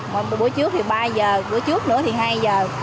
mỗi buổi trước thì ba giờ buổi trước nữa thì hai giờ